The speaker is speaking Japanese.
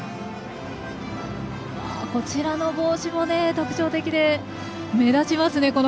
こちらの帽子も特徴的で目立ちますね